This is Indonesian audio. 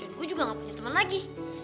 dan gue juga gak punya teman lagi